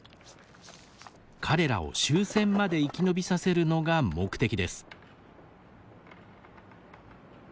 彼らを終戦まで生き延びさせるのが目的です。